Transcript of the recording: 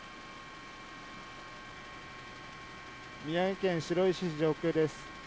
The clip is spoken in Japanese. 宮城県白石市上空です。